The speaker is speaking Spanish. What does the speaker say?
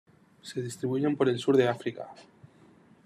Se distribuyen por el sur de África.